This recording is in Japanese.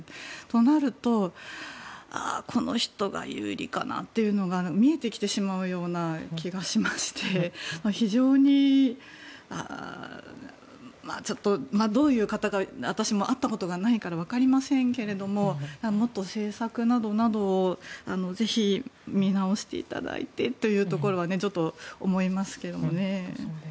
となるとこの人が有利かなというのが見えてきてしまうような気がしまして非常にどういう方か私も会ったことがないから分かりませんけれどももっと政策などなどをぜひ見直していただいてというところはちょっと思いますけどね。